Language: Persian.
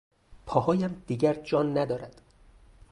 پاهایم دیگر جان ندارد.